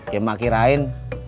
ya emak kirain